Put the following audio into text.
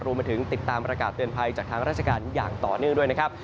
มาถึงติดตามประกาศเตือนภัยจากทางราชการอย่างต่อเนื่องด้วยนะครับ